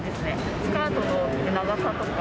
スカートの長さとか。